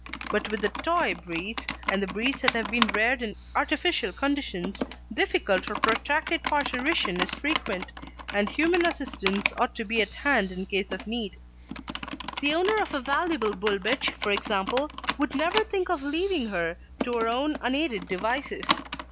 But with the Toy breeds, and the breeds that have been reared in artificial conditions, difficult or protracted parturition is frequent, and human assistance ought to be at hand in case of need. The owner of a valuable Bull bitch, for example, would never think of leaving her to her own unaided devices.